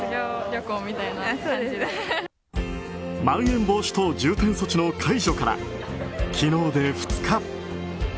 まん延防止等重点措置の解除から昨日で２日。